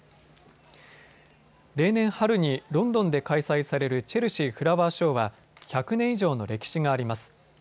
例年春にロンドンで開催されるチェルシー・フラワーショーは１００年以上の歴史があります。